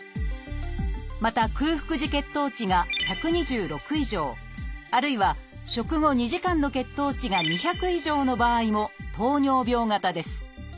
また空腹時血糖値が１２６以上あるいは食後２時間の血糖値が２００以上の場合も糖尿病型です。